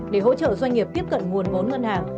để hỗ trợ doanh nghiệp tiếp cận nguồn vốn ngân hàng